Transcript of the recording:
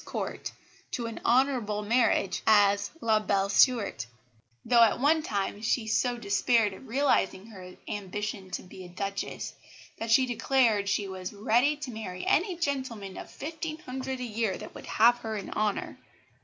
's Court to an honourable marriage as La belle Stuart; though at one time she so despaired of realising her ambition "to be a Duchess" that she declared she was "ready to marry any gentleman of fifteen hundred a year that would have her in honour."